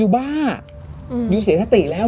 ว่าอยู่เสียสติแล้ว